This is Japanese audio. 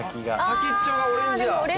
先っちょがオレンジや！